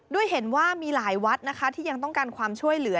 ด้วยเห็นว่ามีหลายวัดนะคะที่ยังต้องการความช่วยเหลือ